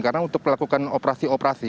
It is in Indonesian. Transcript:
karena untuk melakukan operasi operasi